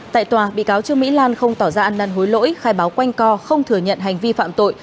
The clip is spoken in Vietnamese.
tại tòa bị cáo trương mỹ lan không tỏ ra ăn năn hối lỗi khai báo quanh co không thừa nhận hành vi phạm tội